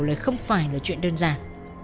là không phải là chuyện đơn giản